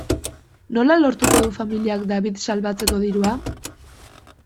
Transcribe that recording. Nola lortuko du familiak David salbatzeko dirua?